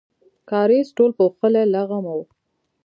کاریز ټول پوښلی لغم و.